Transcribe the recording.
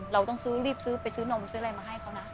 เราต้องซื้อรีบซื้อไปซื้อนมซื้ออะไรมาให้เขานะ